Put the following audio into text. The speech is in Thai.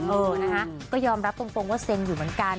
เออนะคะก็ยอมรับตรงว่าเซ็นอยู่เหมือนกัน